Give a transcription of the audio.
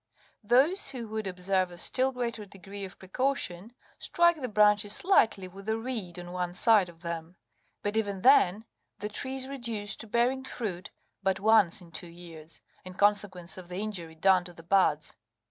28" Those who would observe a still greater degree of precaution, strike the branches lightly with a reed on one side of them ; but even then the tree is reduced to bearing fruit but once in two years,29 in consequence of the injury done to the buds.